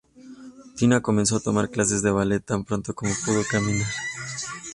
Tina comenzó a tomar clases de ballet tan pronto como pudo caminar.